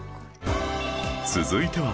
続いては